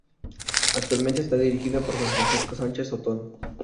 Actualmente está dirigida por Francisco Sánchez Otón.